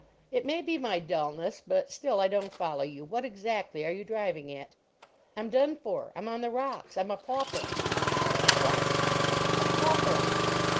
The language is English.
"It may be my dulness; but, still, I don't follow you. What exactly are you driving at?" "I'm done for. I'm on the rocks. I'm a pauper." "A what?" "A pauper."